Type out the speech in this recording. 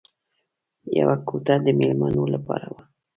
یوه کوټه د مېلمنو لپاره وه